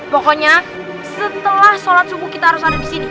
pokoknya setelah sholat subuh kita harus ada di sini